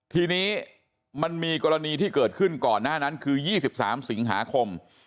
ทีนี้มันมีกรณีที่เกิดขึ้นก่อนหน้านั้นคือ๒๓สิงหาคม